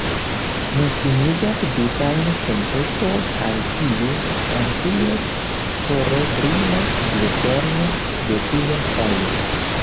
Ne timigas vivaj tempestoj al tiu, en kies koro brilas lucerno de Via fajro.